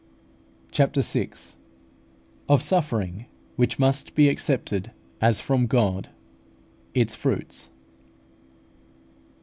CHAPTER VI. OF SUFFERING WHICH MUST BE ACCEPTED AS FROM GOD ITS FRUITS.